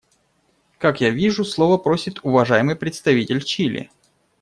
Как я вижу, слова просит уважаемый представитель Чили.